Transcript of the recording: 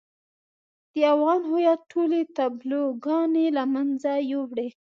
د افغان هويت ټولې تابلوګانې له منځه يوړې.